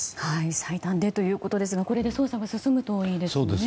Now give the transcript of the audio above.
最短でということですがこれで捜査が進むといいですね。